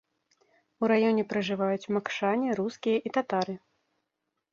У раёне пражываюць макшане, рускія і татары.